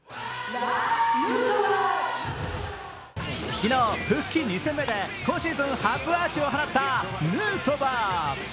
昨日、復帰２戦目で今シーズン初アーチを放ったヌートバー。